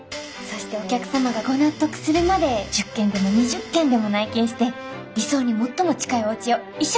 そしてお客様がご納得するまで１０件でも２０件でも内見して理想に最も近いおうちを一緒に見つけましょう。